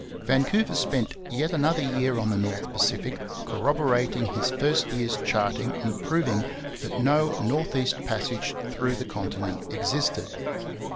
Vancouver spent yet another year on the North Pacific, corroborating his first year's charting and proving that no north east passage through the continent existed.